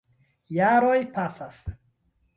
Jaroj pasas.